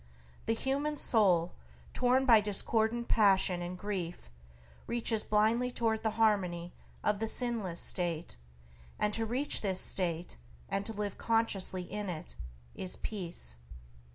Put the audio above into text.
The human soul, torn by discordant passion and grief, reaches blindly toward the harmony of the sinless state, and to reach this state and to live consciously in it is peace.